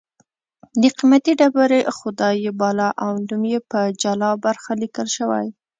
د قېمتي ډبرې خدای یې باله او نوم یې په جلا برخه لیکل شوی